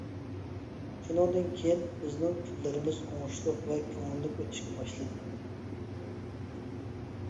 شۇنىڭدىن كېيىن بىزنىڭ كۈنلىرىمىز ئوڭۇشلۇق ۋە كۆڭۈللۈك ئۆتۈشكە باشلىدى.